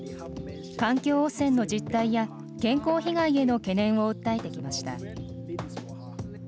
環境汚染の実態や健康被害への懸念を訴えてきました。